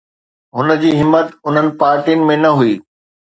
هن جي همت انهن پارٽين ۾ نه هئي.